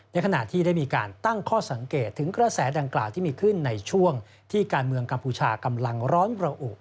ขณะที่ได้มีการตั้งข้อสังเกตถึงกระแสดังกล่าวที่มีขึ้นในช่วงที่การเมืองกัมพูชากำลังร้อนระอุ